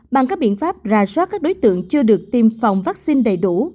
bằng các biện pháp ra soát các đối tượng chưa được tiêm phòng vaccine đầy đủ